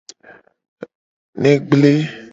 Ne gble.